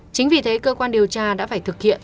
chính vì thế cơ quan điều tra đã phải thực hiện